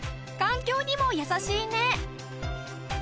環境にも優しいね。